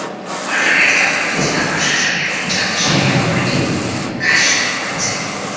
ঘটনার তদন্তে জেলা প্রশাসনের তিন সদস্যের একটি কমিটি কাজ শুরু করেছে।